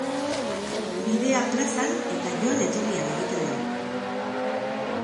Bidea plazan eta joan etorrian egiten da.